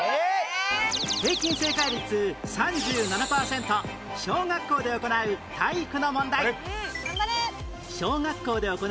平均正解率３７パーセント小学校で行う体育の問題